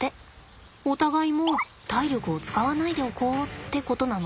お互いもう体力を使わないでおこうってことなの？